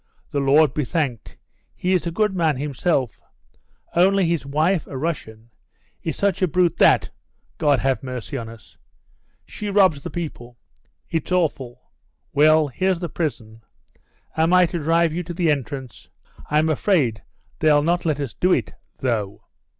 The Lord be thanked, he is a good man himself; only his wife, a Russian, is such a brute that God have mercy on us. She robs the people. It's awful. Well, here's the prison. Am I to drive you to the entrance? I'm afraid they'll not let us do it, though."